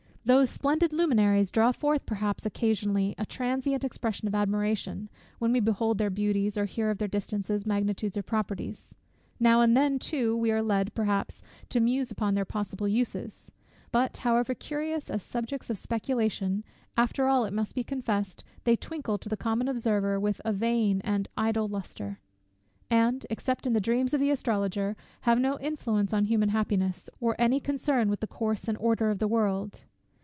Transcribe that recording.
Those splendid luminaries draw forth perhaps occasionally a transient expression of admiration, when we behold their beauty, or hear of their distances, magnitudes, or properties: now and then too we are led, perhaps, to muse upon their possible uses: but however curious as subjects of speculation, after all, it must be confessed, they twinkle to the common observer with a vain and "idle" lustre; and except in the dreams of the astrologer, have no influence on human happiness, or any concern with the course and order of the world.